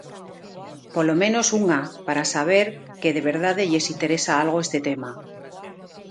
Polo menos unha, para saber que de verdade lles interesa algo este tema.